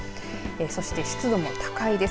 そして、湿度も高いです。